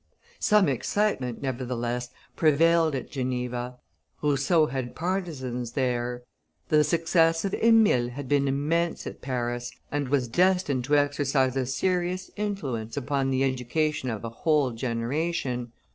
Some excitement, nevertheless, prevailed at Geneva; Rousseau had partisans there. The success of Emile had been immense at Paris, and was destined to exerciso a serious influence upon the education of a whole generation.